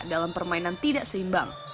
dalam permainan tidak seimbang